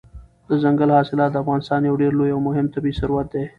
دځنګل حاصلات د افغانستان یو ډېر لوی او مهم طبعي ثروت دی.